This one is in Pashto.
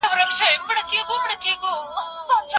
تاسو باید خپلې پوښتنې په څلورپوړیز چوکاټ کې تنظیم کړئ.